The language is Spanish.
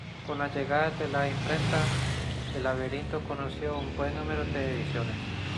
Con la llegada de la imprenta, el "Laberinto" conoció un buen número de ediciones.